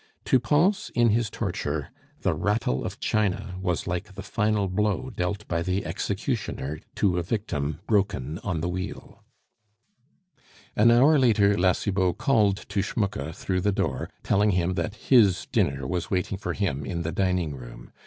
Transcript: To Pons in his torture, the rattle of china was like the final blow dealt by the executioner to a victim broken on the wheel. An hour later La Cibot called to Schmucke through the door, telling him that his dinner was waiting for him in the dining room.